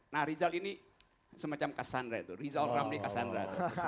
nah rizal ini semacam cassandra itu rizal ramli cassandra